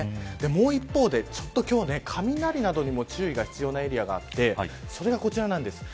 もう一方で今日は雷などにも注意が必要なエリアがあってそれが、こちらなんです。